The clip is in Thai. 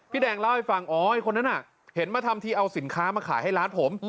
แดงเล่าให้ฟังอ๋อไอ้คนนั้นน่ะเห็นมาทำทีเอาสินค้ามาขายให้ร้านผม